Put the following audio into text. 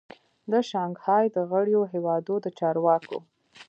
د شانګهای د غړیو هیوادو د چارواکو